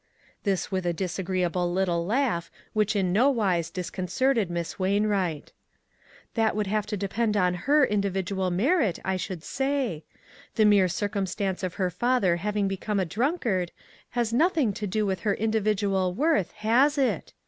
This with a disagreeable little laugh which in no wise disconcerted Miss Wainwright. " That would have to depend on her in dividual merit, I should say. The mere cir cumstance of her father having become a drunkard has nothing to do with her in dividual worth, has it